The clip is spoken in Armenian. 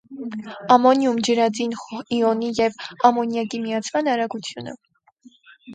Ամոնիում ջրածին իոնի և ամոնիակի միացման արագությունը։